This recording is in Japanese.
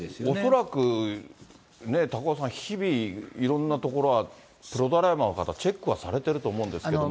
恐らく、高岡さん、日々、いろんな所、プロドライバーの方、チェックはされてると思うんですけれども。